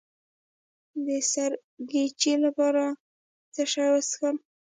د سرګیچي لپاره باید څه شی وڅښم؟